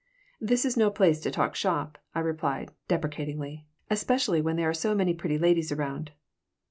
"This is no place to talk shop," I replied, deprecatingly. "Especially when there are so many pretty ladies around."